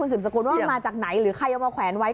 สืบสกุลว่ามาจากไหนหรือใครเอามาแขวนไว้